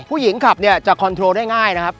ผู้หญิงขับเนี่ยจะคอนโทรเรียกง่ายนะครับ